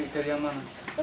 dari yang mana